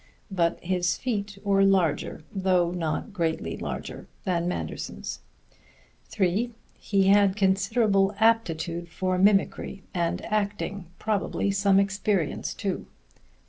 But his feet were larger, though not greatly larger, than Manderson's. (3) He had considerable aptitude for mimicry and acting probably some experience too.